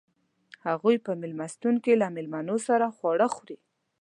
هغوئ په میلمستون کې له میلمنو سره خواړه خوري.